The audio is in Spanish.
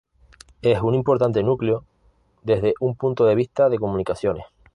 Es un importante núcleo desde un punto de vista de comunicaciones.